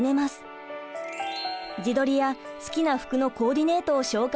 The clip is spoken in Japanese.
自撮りや好きな服のコーディネートを紹介する写真は大人気！